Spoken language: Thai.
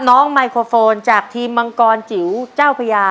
ไมโครโฟนจากทีมมังกรจิ๋วเจ้าพญา